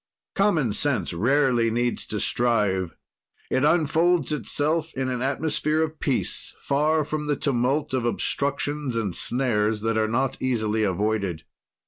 Common sense rarely needs to strive; it unfolds itself in an atmosphere of peace, far from the tumult of obstructions and snares that are not easily avoided.